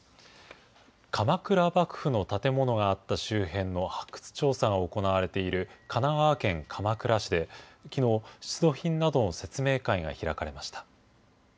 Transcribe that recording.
鎌倉幕府の建物があった周辺の発掘調査が行われている、神奈川県鎌倉市で、きのう、出土品などの説明会が開かれました。